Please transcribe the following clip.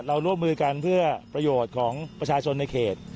ร่วมมือกันเพื่อประโยชน์ของประชาชนในเขต